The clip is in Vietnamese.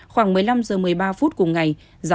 khoảng một mươi năm h một mươi ba phút cùng ngày